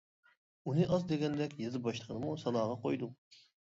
ئۇنى ئاز دېگەندەك، يېزا باشلىقىنىمۇ سالاغا قويدۇڭ.